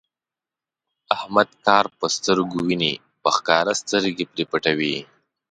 احمد کار په سترګو ویني، په ښکاره سترګې پرې پټوي.